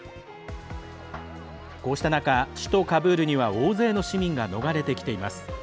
こうした中、首都カブールには大勢の市民が逃れてきています。